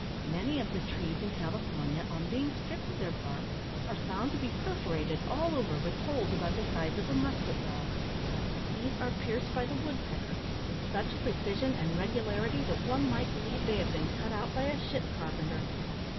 Many of the trees in California, on being stripped of their bark, are found to be perforated all over with holes about the size of a musket ball. These are pierced by the woodpecker with such precision and regularity that one might believe they had been cut out by a ship carpenter.